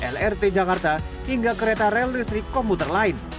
lrt jakarta hingga kereta rel listrik komputer lain